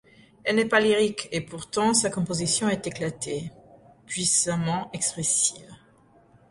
Elle n'est pas lyrique et pourtant, sa composition est éclatée, puissamment expressive.